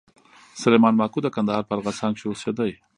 سلېمان ماکو د کندهار په ارغسان کښي اوسېدئ.